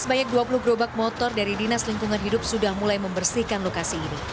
sebanyak dua puluh gerobak motor dari dinas lingkungan hidup sudah mulai membersihkan lokasi ini